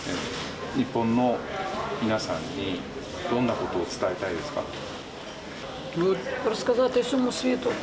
日本の皆さんにどんなことを伝えたいですか。